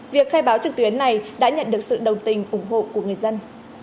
việc khai báo trực tuyến này đã nhận được sự đồng tình ủng hộ của người dân